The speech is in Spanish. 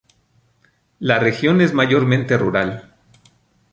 La región es mayormente rural.